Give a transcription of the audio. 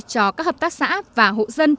cho các hợp tác xã và hộ dân